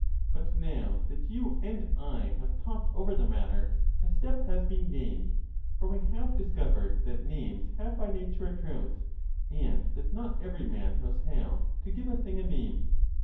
But now that you and I have talked over the matter, a step has been gained ; for we have discovered that names have by nature a truth, and that not every man knows how to give a thing a name.